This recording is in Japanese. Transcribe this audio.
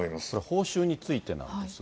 報酬についてなんですが。